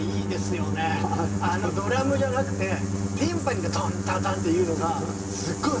あのドラムじゃなくてティンパニーがドンドドンっていうのがすっごい